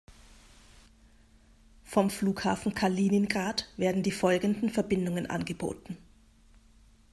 Vom Flughafen Kaliningrad werden die folgenden Verbindungen angeboten.